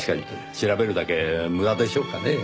調べるだけ無駄でしょうかねぇ。